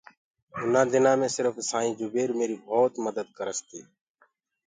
اُنآ دِنآ مينٚ سرڦ سآئيٚنٚ جُبير ميري ڀوت مَدت ڪَرس تي